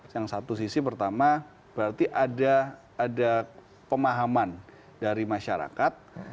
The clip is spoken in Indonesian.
yang satu sisi pertama berarti ada pemahaman dari masyarakat